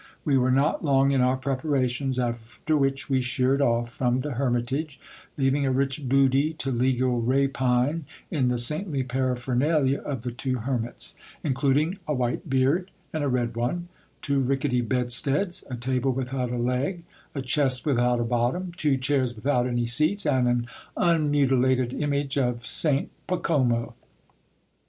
We were not long in our preparations, after which we sheered off from the hermit age, leaving a rich booty to legal rapine in the saintly paraphernalia of the two hermits ; including a white beard and a red one, two rickety bedsteads, a table without a leg, a chest without a bottom, two chairs without any seats, and an unmutilated image of St Pacomo.